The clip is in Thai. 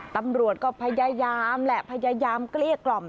ตำรวจก็พยายามแหละพยายามเกลี้ยกล่อม